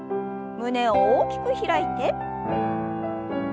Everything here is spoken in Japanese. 胸を大きく開いて。